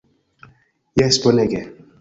Jes! Bonege.